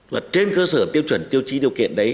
và trên cơ sở tiêu chuẩn tiêu chí điều kiện đấy